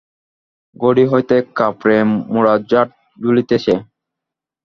কড়ি হইতে কাপড়ে মােড়া ঝাড় ঝুলিতেছে।